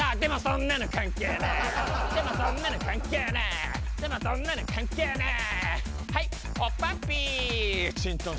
でもそんなの関係ねぇ。